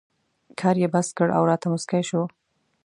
کار یې بس کړ او راته مسکی شو.